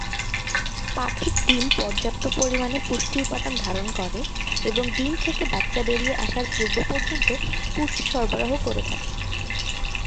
পাখির ডিম পর্যাপ্ত পরিমাণে পুষ্টি উপাদান ধারণ করে এবং ডিম থেকে বাচ্চা বেরিয়ে আসার পূর্ব পর্যন্ত পুষ্টি সরবরাহ করে থাকে।